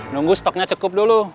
nunggu stoknya cukup dulu